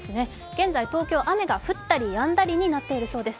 現在、東京は雨が降ったりやんだりになっているそうです。